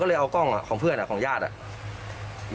ก็เลยเอากล้องของเพื่อนของญาติอ่ะ